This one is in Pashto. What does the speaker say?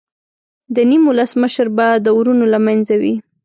د نیم ولس مشر به د ورونو له منځه وي.